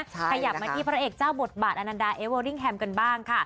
ขยับมาที่พระเอกเจ้าบทบาทอนันดาเอเวอริ่งแฮมกันบ้างค่ะ